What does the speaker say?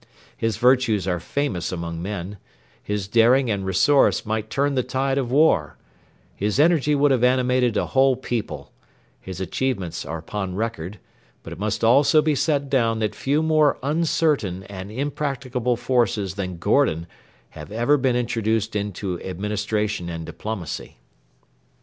His virtues are famous among men; his daring and resource might turn the tide or war; his energy would have animated a whole people; his achievements are upon record; but it must also be set down that few more uncertain and impracticable forces than Gordon have ever been introduced into administration and diplomacy.